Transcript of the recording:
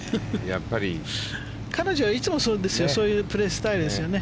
彼女はいつもそうですよ。そういうプレースタイルですね。